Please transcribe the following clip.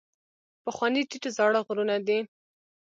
پخواني ټیټ زاړه غرونه دي.